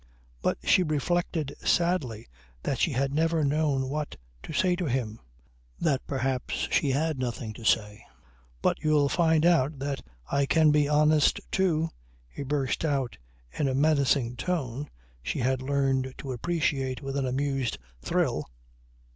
But she reflected sadly that she had never known what to say to him. That perhaps she had nothing to say. "But you'll find out that I can be honest too," he burst out in a menacing tone, she had learned to appreciate with an amused thrill.